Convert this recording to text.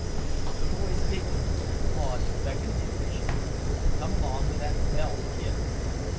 The boys giggled. Claude beckoned impatiently. "Come along with that bell, kid."